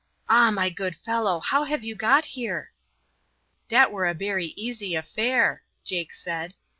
"Ah, my good fellow! how have you got here?" "Dat were a bery easy affair," Jake said.